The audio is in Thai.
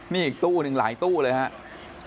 นี่อีกตู้หนึ่งหลายตู้เลยครับ